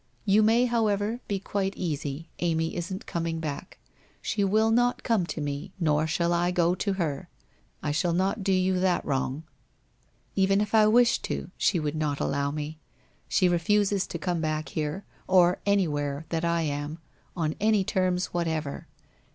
... You may, however, be quite easy, Amy isn't coming back. She will not come to me nor shall I go to her. I shall not do you that wrong. Even if I wished to she would not allow me. She refuses to come back here, or anywhere that I am, on any terms whatever.